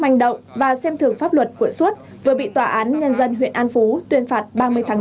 hành động và xem thường pháp luật của xuất vừa bị tòa án nhân dân huyện an phú tuyên phạt ba mươi tháng